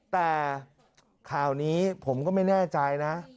แต่ข่าวนี้ผมก็ไม่แน่ใจนะ